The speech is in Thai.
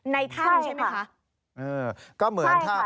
ในถ้ำใช่ไหมคะค่ะใช่ค่ะ